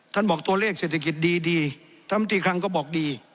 ท่านบอกตัวเลขเศรษฐกิจดีดีท่านบางทีครั้งก็บอกดี